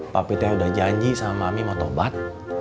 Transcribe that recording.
pak pebe udah janji sama mami mau tobat